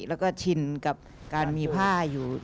แล้วก็ชินกับการมีผ้าอยู่